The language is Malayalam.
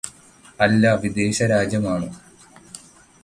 അല്ല വിദേശ രാജ്യമാണ്